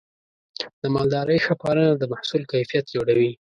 د مالدارۍ ښه پالنه د محصول کیفیت لوړوي.